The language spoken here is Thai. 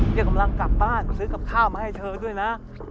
นี่กำลังกลับบ้านซื้อกับข้าวมาให้เธอด้วยนะ